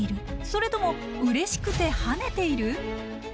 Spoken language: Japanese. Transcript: それともうれしくて跳ねている？